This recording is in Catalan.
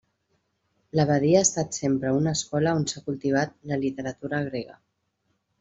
L'abadia ha estat sempre una escola on s'ha cultivat la literatura grega.